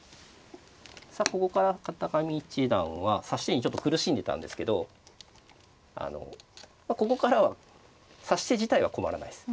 さあここから片上七段は指し手にちょっと苦しんでたんですけどここからは指し手自体は困らないです。